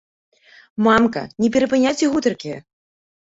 Мамка, не перапыняйце гутаркі!